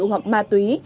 hoặc ma túy